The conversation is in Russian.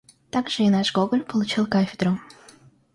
Также и наш Гоголь получил кафедру.